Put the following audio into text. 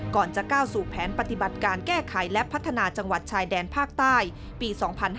ก่อนจะก้าวสู่แผนปฏิบัติการแก้ไขและพัฒนาจังหวัดชายแดนภาคใต้ปี๒๕๕๙